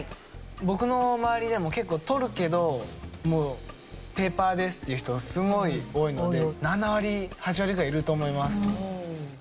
僕の周りでも結構取るけどもうペーパーですっていう人がすごい多いので７割８割ぐらいいると思います。